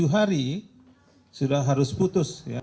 tujuh hari sudah harus putus ya